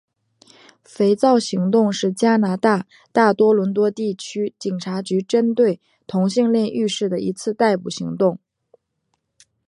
肥皂行动是加拿大大多伦多地区警察局针对同性恋浴室的一次逮捕行动。